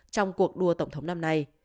trong cuộc đua tổng thống năm nay